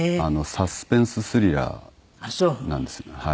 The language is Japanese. サスペンススリラーなんです。